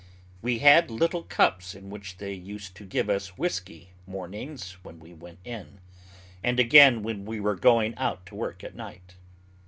We had little cups in which they used to give us whiskey mornings when we went in, and again when we were going out to work at night.